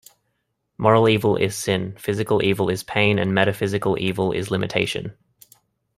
Moral evil is sin, physical evil is pain, and metaphysical evil is limitation.